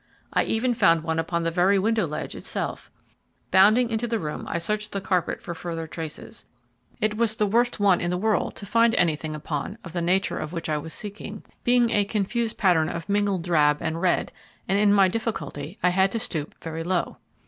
I even found one upon the very window ledge itself. Bounding into the room, I searched the carpet for further traces. It was the worst one in the world to find anything upon of the nature of which I was seeking, being a confused pattern of mingled drab and red, and in my difficulty I had to stoop very low.